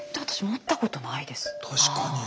確かに。